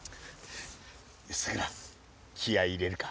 さくら気合い入れるか。